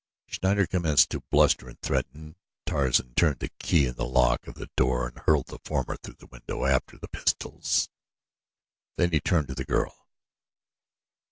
Schneider commenced to bluster and threaten. Tarzan turned the key in the lock of the door and hurled the former through the window after the pistols. Then he turned to the girl.